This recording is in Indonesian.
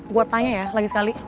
buat tanya ya lagi sekali